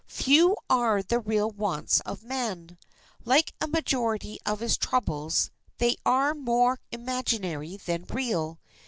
Few are the real wants of man. Like a majority of his troubles they are more imaginary than real.